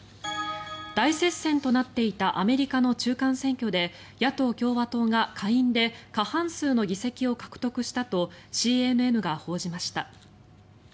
大接戦となっていたアメリカの中間選挙で野党・共和党が下院で過半数の議席を獲得したとＣＮＮが報じました。